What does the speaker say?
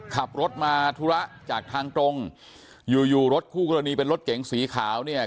ขับรถมาธุระจากทางตรงอยู่อยู่รถคู่กรณีเป็นรถเก๋งสีขาวเนี่ย